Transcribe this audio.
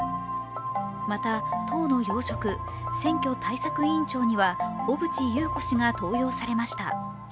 また党の要職、選挙対策委員長には小渕優子氏が登用されました。